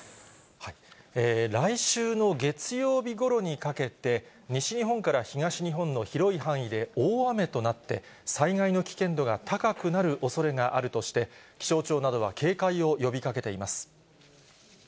来週の月曜日ごろにかけて、西日本から東日本の広い範囲で大雨となって、災害の危険度が高くなるおそれがあるとして、気象庁などは警戒を呼びかけています。